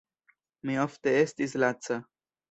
Mi ofte estis laca.